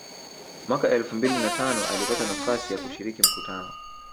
Mwaka elfu mbili na tano alipata nafasi ya kushiriki mkutano